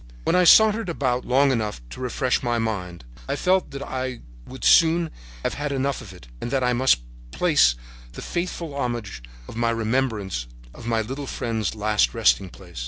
"When I had sauntered about long enough to refresh my mind I felt that I would soon have had enough of it and that I must place the faithful homage of my remembrance on my little friend's last resting place.